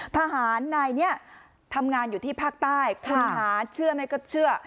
ทหารนายนี้ทำงานอยู่ที่ภาคใต้คุณหาเชื่อไหมก็เชื่อ